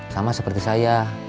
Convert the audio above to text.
sama seperti saya